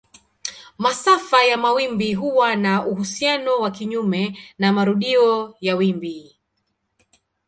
Masafa ya mawimbi huwa na uhusiano wa kinyume na marudio ya wimbi.